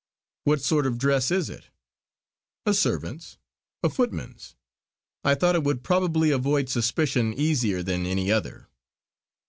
"What sort of dress is it?" "A servant's, a footman's. I thought it would probably avoid suspicion easier than any other."